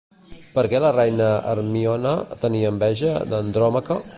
Per què la reina Hermíone tenia enveja d'Andròmaca?